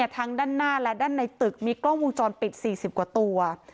ทั้งด้านหน้าและด้านในตึกมีกล้องวงจรปิด๔๐กว่าตัว